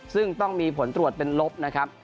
ซึ่งต้องมีผลตรวจเป็นลบนะครับ